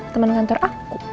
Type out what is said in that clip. temen kantor aku